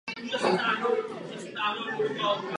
Projekt se od té doby rozrostl do mnoha míst po celém světě.